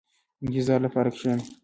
• د انتظار لپاره کښېنه.